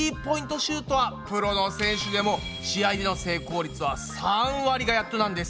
シュートはプロの選手でも試合での成功率は３割がやっとなんです。